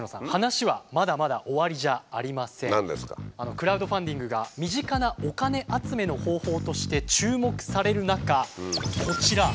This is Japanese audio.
クラウドファンディングが身近なお金集めの方法として注目される中こちら。